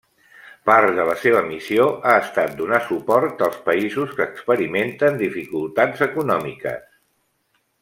Part de la seva missió ha estat donar suport als països que experimenten dificultats econòmiques.